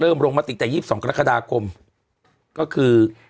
เริ่มโรงมาติแต่๒๒กราคาดาคมก็คือ